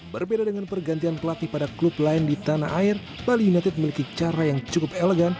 berbeda dengan pergantian pelatih pada klub lain di tanah air bali united memiliki cara yang cukup elegan